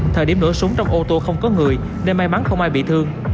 thời điểm nổ súng trong ô tô không có người nên may mắn không ai bị thương